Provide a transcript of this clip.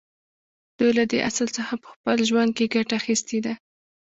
دوی له دې اصل څخه په خپل ژوند کې ګټه اخیستې ده